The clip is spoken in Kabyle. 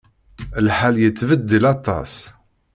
Lḥal yettbeddil aṭas.